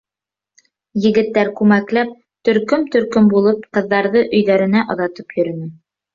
Егеттәр, күмәкләп, төркөм-төркөм булып, ҡыҙҙарҙы өйҙәренә оҙатып йөрөнө.